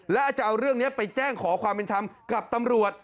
และจะเอาเรื่องนี้ไปแจ้งขอความเป็นธรรมกับตำรวจ